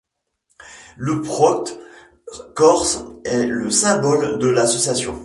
L'euprocte corse est le symbole de l’association.